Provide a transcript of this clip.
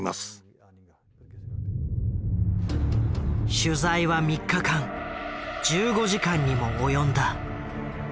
取材は３日間１５時間にも及んだ。